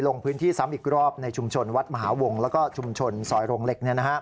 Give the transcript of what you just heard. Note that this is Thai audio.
ลงพื้นที่ซ้ำอีกรอบในชุมชนวัดมหาวงแล้วก็ชุมชนซอยโรงเหล็ก